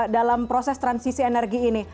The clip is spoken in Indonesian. dalam proses transisi energi ini